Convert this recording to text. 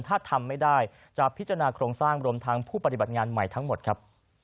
ถ้าทำไม่ได้จะพิจารณาโครงสร้างรวมทั้งผู้ปฏิบัติงานใหม่ทั้งหมดครับ